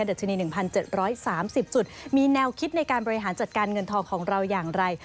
ชนี๑๗๓๐จุดมีแนวคิดในการบริหารจัดการเงินทองของเราอย่างไร